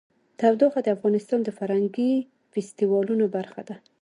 تودوخه د افغانستان د فرهنګي فستیوالونو برخه ده.